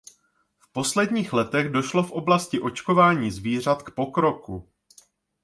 V posledních letech došlo v oblasti očkování zvířat k pokroku.